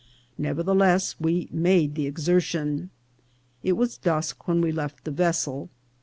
Nevertheless, we made the exertion. It was dusk when we left the vessel.